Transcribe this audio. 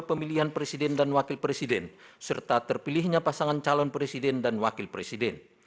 pemilihan presiden dan wakil presiden serta terpilihnya pasangan calon presiden dan wakil presiden